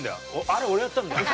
「あれ俺やったんだよ」。